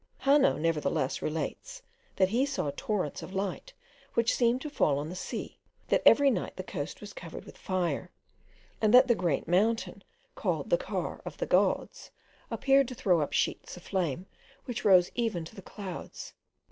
Hanno nevertheless relates, that he saw torrents of light, which seemed to fall on the sea; that every night the coast was covered with fire; and that the great mountain, called the Car of the Gods, appeared to throw up sheets of flame, which rose even to the clouds.